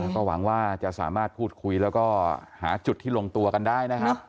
ก็หวังว่าจะสามารถพูดคุยแล้วก็หาจุดที่ลงตัวกันได้นะครับ